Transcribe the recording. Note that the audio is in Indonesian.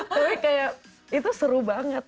tapi kayak itu seru banget